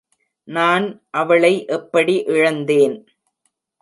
நான் அவளை எப்படி இழந்தேன்?